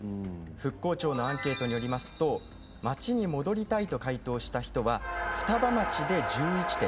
復興庁のアンケートによりますと町に戻りたいと回答した人は双葉町で１１．３％